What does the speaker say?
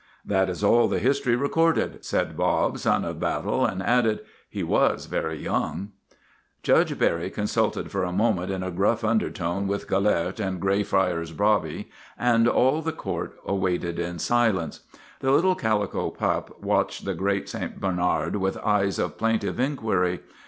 That is all the history recorded," said Bob, Son of Battle, and added, " He was very young." MAGINNIS 71 Judge Barry consulted for a moment in a gruff undertone with Gelert and Greyfriars Bobby, and all the court waited in silence. The little calico pup watched the great St. Bernard with eyes of plaintive inquiry.